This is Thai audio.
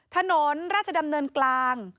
ถนนราชดำเนินกลาง